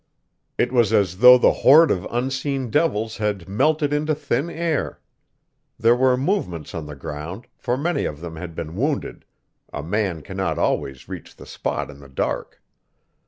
It was as though the horde of unseen devils had melted into thin air. There were movements on the ground, for many of them had been wounded; a man cannot always reach the spot in the dark.